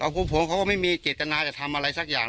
พวกผมเขาก็ไม่มีเจตนาจะทำอะไรสักอย่าง